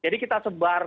jadi kita sebut